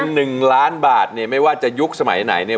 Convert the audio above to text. หนึ่งล้านบาทเนี่ยไม่ว่าจะยุคสมัยไหนเนี่ย